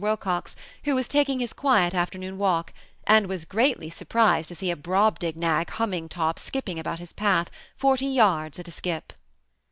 "Wilcox, who was taking his quiet afternoon walk, and was greatly surprised to see a Brobdignag humming top skipping about his path, forty yards at a skip.